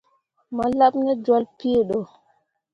Mo laɓ ne jolle pii ɗo.